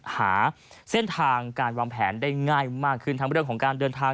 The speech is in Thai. หาเส้นทางการวางแผนได้ง่ายมากขึ้นทั้งเรื่องของการเดินทาง